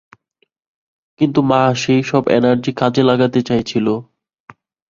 কিন্তু মা সেই সব এনার্জি কাজে লাগাতে চাইছিল।